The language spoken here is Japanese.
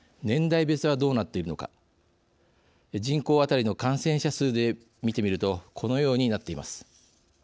年代別はどうなっているのか人口当たりの感染者数で見てみるとこのようになっています。